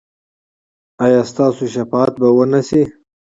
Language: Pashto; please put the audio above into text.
ایا ستاسو شفاعت به و نه شي؟